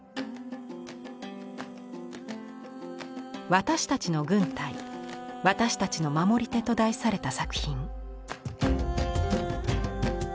「私達の軍隊私達の守り手」と題された作品。